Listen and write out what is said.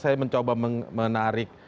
saya mencoba menarik